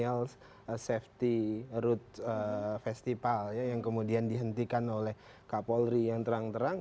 yang disebut dengan milenial safety route festival ya yang kemudian dihentikan oleh kapolri yang terang terang